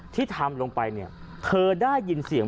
ที่ทำลงไปเธอได้ยินเสียง